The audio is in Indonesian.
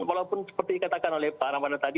walaupun seperti dikatakan oleh pak ramadhan tadi